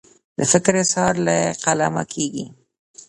د فکر اظهار له قلمه کیږي.